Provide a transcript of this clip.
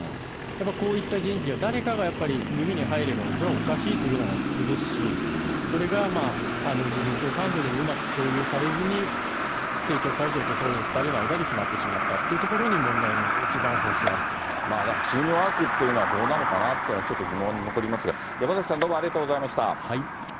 やっぱりこういった人事は、誰かがやっぱり耳に入れば、それはおかしいというのが普通ですし、それが自民党幹部にもうまく共有されずに、政調会長と総理の２人の間で決まってしまったというところに問題チームワークというのは、どうなのかなっていうのはちょっと疑問に残りますが、山崎さん、ありがとうございました。